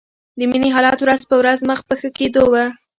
د مينې حالت ورځ په ورځ مخ په ښه کېدو و